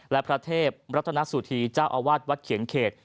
และพระเทพรัตนสุธีเจ้าอาวาสวัดเขียนเขต